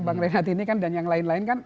bang renat ini kan dan yang lain lain kan